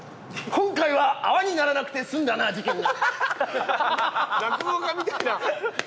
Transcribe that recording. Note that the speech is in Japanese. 今回は泡にならなくて済んだな事件が。